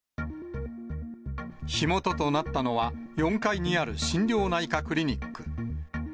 火元となったのは、４階にある心療内科クリニック。